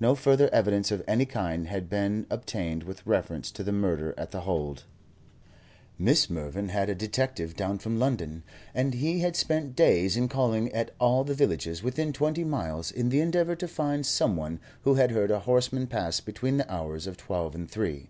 No further evidence of any kind had been obtained with reference to the murder at The Hold. Mrs. Mervyn had a detective down from London, and he had spent days in calling at all the villages within twenty miles in the endeavour to find some one who had heard a horseman pass between the hours of twelve and three.